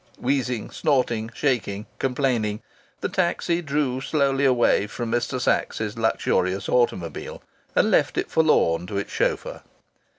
Wheezing, snorting, shaking, complaining, the taxi drew slowly away from Mr. Sachs's luxurious automobile and left it forlorn to its chauffeur.